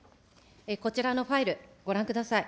こちらのファイルご覧ください。